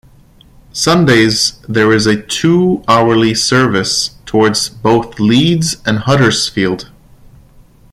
Sundays there is a two-hourly service towards both Leeds and Huddersfield.